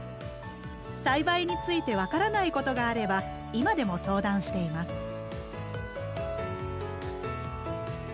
栽培について分からないことがあれば今でも相談しています。